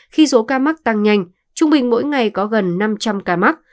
khi số ca mắc tăng nhanh trung bình mỗi ngày có gần năm trăm linh ca mắc